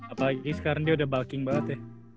apalagi sekarang dia udah bulking banget ya